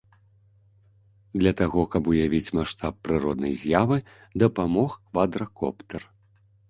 Для таго, каб уявіць маштаб прыроднай з'явы, дапамог квадракоптэр.